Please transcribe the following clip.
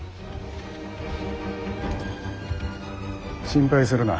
心配するな。